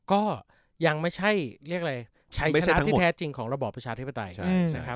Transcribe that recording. ก็ยังไม่ใช่ใช้ชนะที่แท้จริงของระบอประชาธิปไตย